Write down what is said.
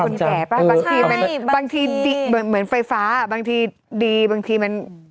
มีอังกฤษคนที่แผลปะบางทีดีเหมือนไฟฟ้าบางทีดีบางทีมัน